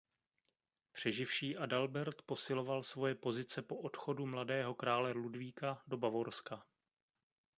Přeživší Adalbert posiloval svoje pozice po odchodu mladého krále Ludvíka do Bavorska.